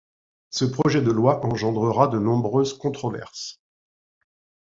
Ce projet de loi engendra de nombres controverses.